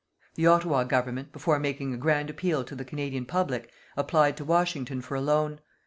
The Ottawa Government, before making a grand appeal to the Canadian public, applied to Washington for a loan.